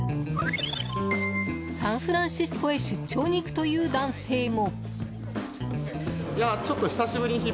サンフランシスコへ出張に行くという男性も。